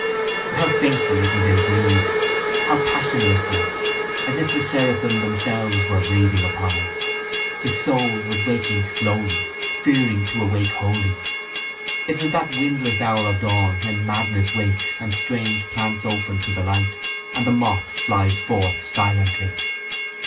But how faintly it was inbreathed, how passionlessly, as if the seraphim themselves were breathing upon him! His soul was waking slowly, fearing to awake wholly. It was that windless hour of dawn when madness wakes and strange plants open to the light and the moth flies forth silently.